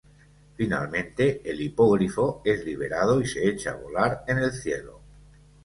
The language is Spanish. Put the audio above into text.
Finalmente, el hipogrifo es liberado y se echa a volar en el cielo.